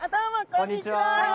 こんにちは！